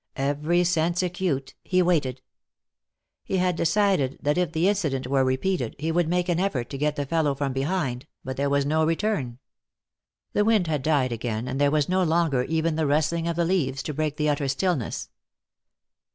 Every sense acute, he waited. He had decided that if the incident were repeated, he would make an effort to get the fellow from behind, but there was no return. The wind had died again, and there was no longer even the rustling of the leaves to break the utter stillness.